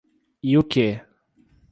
E o que?